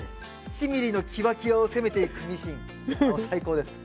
１ミリの際々を攻めていくミシン最高です。